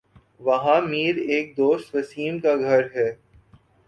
وہاں میر ایک دوست وسیم کا گھر ہے